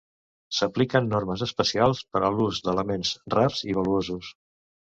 S'apliquen normes especials per a l'ús d'elements rars i valuosos.